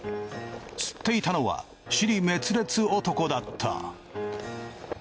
吸っていたのは支離滅裂男だった。